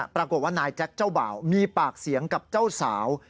ปรากฏว่านายแจ็คเจ้าบ่าวมีปากเสียงกับเจ้าสาว